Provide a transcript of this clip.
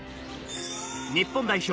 日本代表